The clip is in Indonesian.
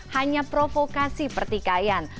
hanya provokasi pertikaian